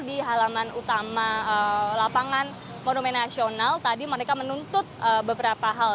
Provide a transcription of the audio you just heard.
di halaman utama lapangan monumen nasional tadi mereka menuntut beberapa hal